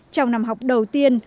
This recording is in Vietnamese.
trong năm học đầu tiên